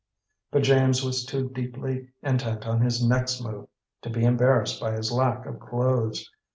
But James was too deeply intent on his next move to be embarrassed by his lack of clothes.